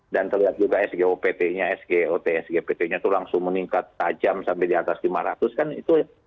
dan terlihat juga sgopt nya sgopt nya itu langsung meningkat tajam sampai di atas lima ratus kan itu